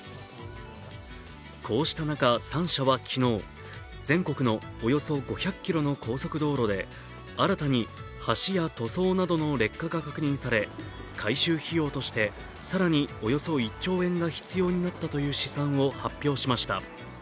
こうした中、３社は昨日、全国のおよそ５００ｋｍの高速道路で新たに橋や塗装などの劣化が確認され改修費用として更におよそ１兆円が必要になったという試算を発表しました。